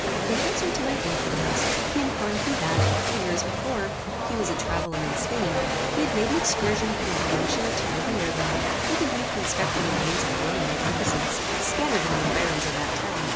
In answer to my inquiries, he informed me that, three years before, he was a traveller in Spain. He had made an excursion from Valencia to Murviedro, with a view to inspect the remains of Roman magnificence, scattered in the environs of that town.